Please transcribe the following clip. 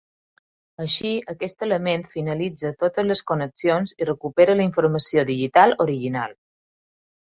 Així, aquest element finalitza totes les connexions i recupera la informació digital original.